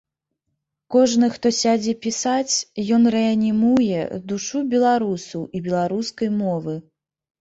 Кожны, хто сядзе пісаць, ён рэанімуе душу беларусаў і беларускай мовы.